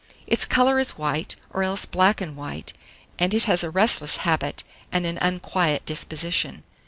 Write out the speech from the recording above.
Its colour is white, or else black and white, and it has a restless habit and an unquiet disposition.